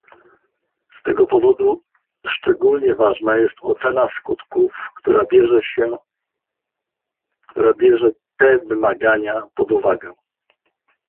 Z tego powodu szczególnie ważna jest ocena skutków, która bierze te wymagania pod uwagę